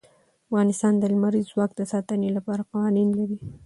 افغانستان د لمریز ځواک د ساتنې لپاره قوانین لري.